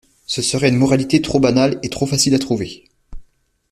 Ce serait une moralité trop banale et trop facile à trouver.